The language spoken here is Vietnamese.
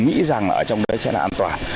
nghĩ rằng ở trong đấy sẽ là an toàn